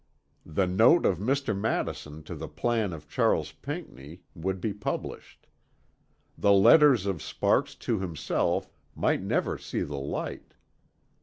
The "Note of Mr. Madison to the Plan of Charles Pinckney" would be published; the letters of Sparks to himself might never see the light.